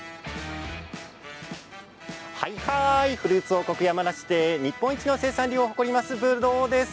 フルーツ王国、山梨日本一の生産量を誇るぶどうです。